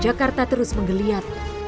jakarta terus menggeliat